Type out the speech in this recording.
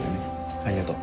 ありがとう。